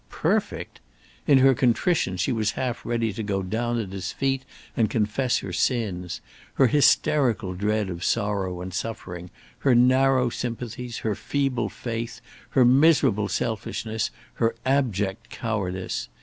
perfect! In her contrition she was half ready to go down at his feet and confess her sins; her hysterical dread of sorrow and suffering, her narrow sympathies, her feeble faith, her miserable selfishness, her abject cowardice.